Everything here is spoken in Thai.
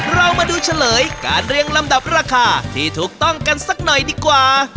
เรามาดูเฉลยการเรียงลำดับราคาที่ถูกต้องกันสักหน่อยดีกว่า